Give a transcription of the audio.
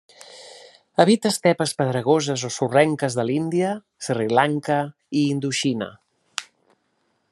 Habita estepes pedregoses o sorrenques de l'Índia, Sri Lanka i Indoxina.